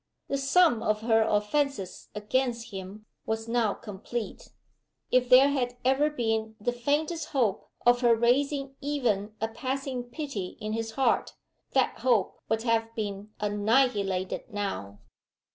The sum of her offenses against him was now complete. If there had ever been the faintest hope of her raising even a passing pity in his heart, that hope would have been annihilated now.